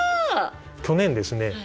去年ですね